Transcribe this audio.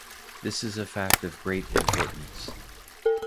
This is a fact of great importance.